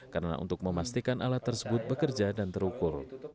karena untuk memastikan alat tersebut bekerja dan terukur